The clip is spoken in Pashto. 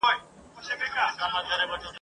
د غریب پر مرګ څوک نه ژاړي ..